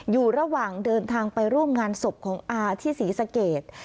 อยู่ระหว่างเดินทางไปร่วมงานศพของอาที่ศรีสเกต